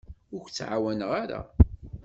Ur k-ttɛawaneɣ ara.